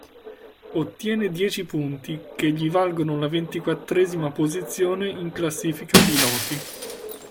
Ottiene dieci punti che gli valgono la ventiquattresima posizione in classifica piloti.